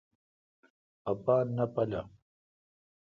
اپان نہ پُالا۔